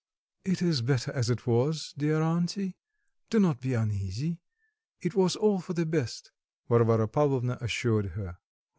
'" "It is better as it was, dear auntie; do not be uneasy it was all for the best," Varvara Pavlovna assured her.